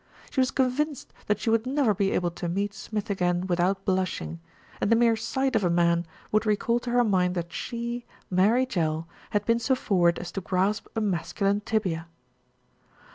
She was convinced that she would never be able to meet Smith again without blushing, and the mere sight of a man would recall to her mind that she, Mary Jell, had been so forward as to grasp a masculine tibia.